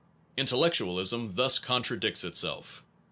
Intellectualism thus contradicts itself.